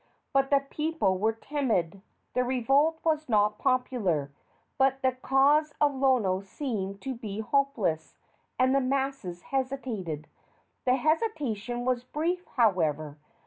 But the people were timid. The revolt was not popular, but the cause of Lono seemed to be hopeless, and the masses hesitated. The hesitation was brief, however.